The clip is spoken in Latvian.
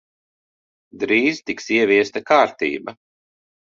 Drīz tiks ieviesta kārtība.